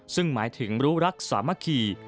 ซึ่งหมายถึงรู้รักสามัคคี